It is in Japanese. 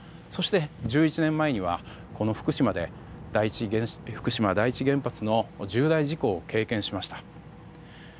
そして１１年前にはこの福島第一原発の重大事故を経験しました。